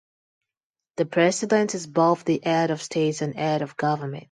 The president is both the head of state and head of government.